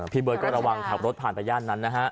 เบิร์ตก็ระวังขับรถผ่านไปย่านนั้นนะฮะ